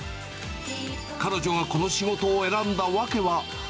彼女がこの仕事を選んだ訳は。